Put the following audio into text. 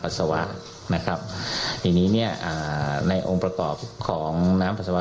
สวะนะครับทีนี้เนี่ยอ่าในองค์ประกอบของน้ำปัสสาวะ